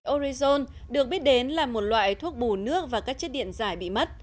orizon được biết đến là một loại thuốc bù nước và các chất điện dài bị mất